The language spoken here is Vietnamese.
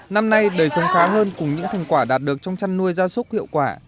năm nay đời sống khá hơn cùng những thành quả đạt được trong chăn nuôi gia súc hiệu quả